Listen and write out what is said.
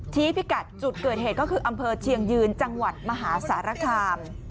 พิกัดจุดเกิดเหตุก็คืออำเภอเชียงยืนจังหวัดมหาสารคาม